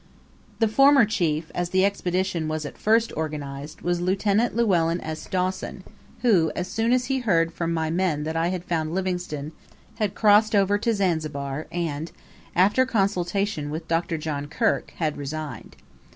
The former chief, as the Expedition was at first organized, was Lieut. Llewellyn S. Dawson, who, as soon as he heard from my men that I had found Livingstone, had crossed over to Zanzibar, and, after consultation with Dr. John Kirk, had resigned.